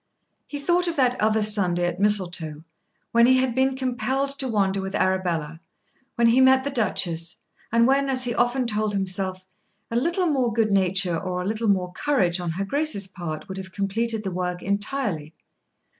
He thought of that other Sunday at Mistletoe, when he had been compelled to wander with Arabella, when he met the Duchess, and when, as he often told himself, a little more good nature or a little more courage on her grace's part would have completed the work entirely.